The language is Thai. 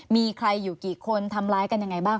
มีใครอยู่กี่คนทำร้ายกันยังไงบ้าง